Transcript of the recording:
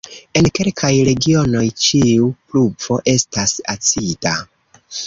En kelkaj regionoj ĉiu pluvo estas acida.